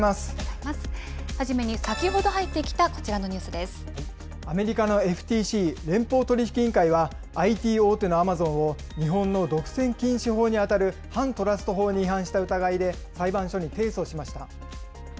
初めに先ほど入ってきたこちアメリカのＦＴＣ・連邦取引委員会は、ＩＴ大手のアマゾンを、日本の独占禁止法に当たる反トラスト法に違反した疑いで裁判所に提訴しました。